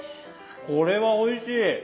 これはおいしい。